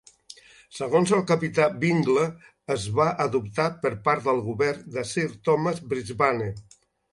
Segons el capità Bingle es va adoptar per part del Govern de Sir Thomas Brisbane.